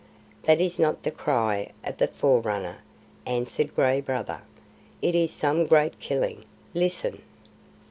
"That is not the cry of the Forerunner," answered Gray Brother. "It is some great killing. Listen!"